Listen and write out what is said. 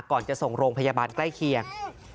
ก่อนจะส่งโรงพยาบาลใกล้เคียง